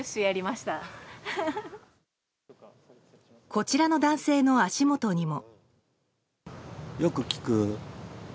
こちらの男性の足元にも。